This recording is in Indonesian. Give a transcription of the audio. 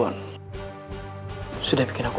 aku akan menangkapmu